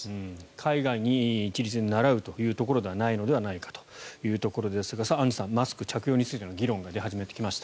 海外に一律に倣うということではないのではということですがアンジュさんマスク着用についての議論が出始めてきました。